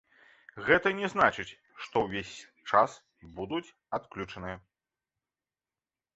Гэта не значыць, што ўвесь час будуць адключаныя.